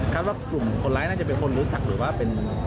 ว่ากลุ่มคนร้ายน่าจะเป็นคนรู้จักหรือว่าเป็น